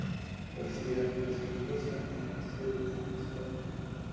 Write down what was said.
Fue exhibida en el Museo Prusia en el Castillo de Königsberg.